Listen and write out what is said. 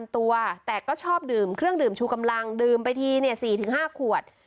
ตัวแต่ก็ชอบดื่มเครื่องดื่มชูกำลังดื่มไปที๔๕ขวด